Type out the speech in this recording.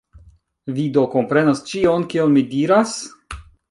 Vi do komprenas ĉion, kion mi diras?